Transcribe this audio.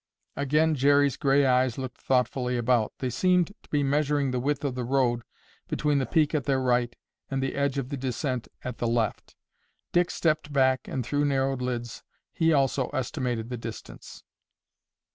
Again Jerry's gray eyes looked thoughtfully about. They seemed to be measuring the width of the road between the peak at their right and the edge of the descent at the left. Dick stepped back and through narrowed lids, he also estimated the distance.